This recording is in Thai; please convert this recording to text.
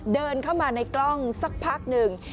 เดินเข้ามาในกล้องสักพักหนึ่ง